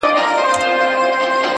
تا کاسه خپله وهلې ده په لته.!